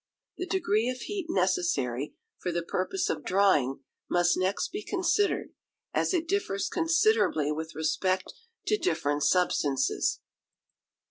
The degree of heat necessary for the purpose of drying must next be considered, as it differs considerably with respect to different substances.